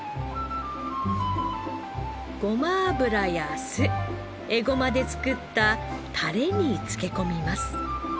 ごま油や酢エゴマで作ったタレに漬け込みます。